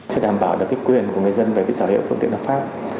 chúng ta đảm bảo được quyền của người dân về sở hữu phương tiện lập pháp